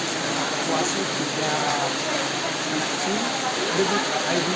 sehingga kondisi tersebut juga berikut